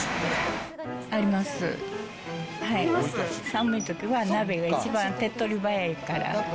寒いときは鍋が一番手っ取り早いから。